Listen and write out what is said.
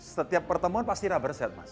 setiap pertemuan pasti rubber set mas